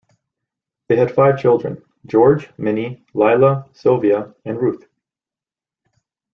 They had five children: George, Minnie, Lila, Sylvia and Ruth.